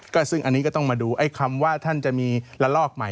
ก็ซึ่งอันนี้ก็ต้องมาดูไอ้คำว่าท่านจะมีละลอกใหม่